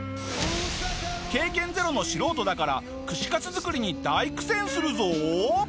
経験ゼロの素人だから串かつ作りに大苦戦するぞ。